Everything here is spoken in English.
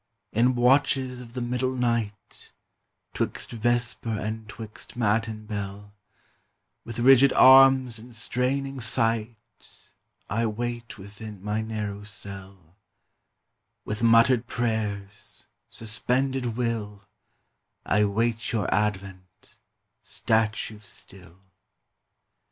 In watches of the middle night, 'Twixt vesper and 'twist matin bell, With rigid arms and straining sight, I wait within my narrow cell; With muttered prayers, suspended will, I wait your advent statue still.